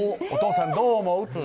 お父さん、どう思う？